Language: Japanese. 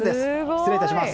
失礼いたします。